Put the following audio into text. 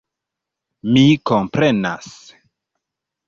Mi komprenas.